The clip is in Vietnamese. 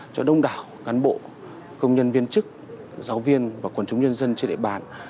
cho đông đảo cán bộ công nhân viên chức giáo viên và quần chúng nhân dân trên địa bàn